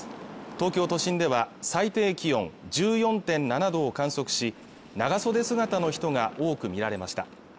東京都心では最低気温１４．７度を観測し長袖姿の人が多く見られました